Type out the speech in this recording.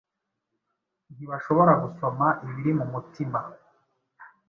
ntibashobora gusoma ibiri mu mutima